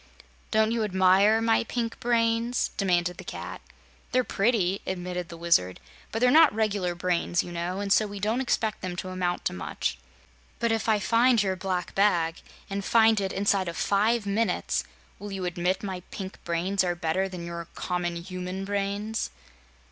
"Don't you admire my pink brains?" demanded the Cat. "They're pretty," admitted the Wizard, "but they're not regular brains, you know, and so we don't expect them to amount to much." "But if I find your black bag and find it inside of five minutes will you admit my pink brains are better than your common human brains?"